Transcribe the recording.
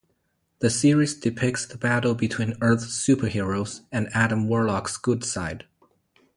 The series depicts the battle between Earth's superheroes and Adam Warlock's good side.